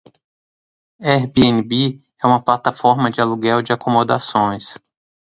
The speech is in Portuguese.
Airbnb é uma plataforma de aluguel de acomodações.